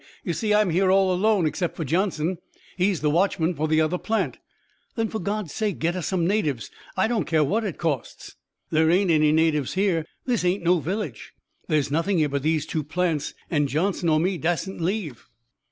"You see, I'm here all alone, except for Johnson. He's the watchman for the other plant." "Then for God's sake get us some natives. I don't care what it costs." "There ain't any natives here. This ain't no village. There's nothing here but these two plants, and Johnson or me dassent leave."